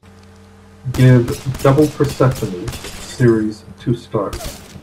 Give Double Persephone series two stars